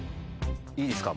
いいですか？